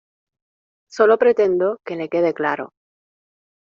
solo pretendo que le quede claro.